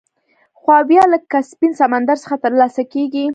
خاویار له کسپین سمندر څخه ترلاسه کیږي.